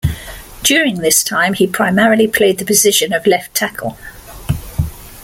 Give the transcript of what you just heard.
During this time, he primarily played the position of left tackle.